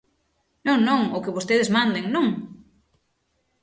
Non, non, o que vostedes manden, ¿non?